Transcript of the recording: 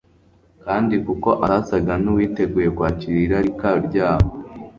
Kandi kuko atasaga n'uwiteguye kwakira irarika ryabo